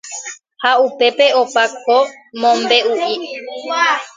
Ha upépe opa ko mombe'u'i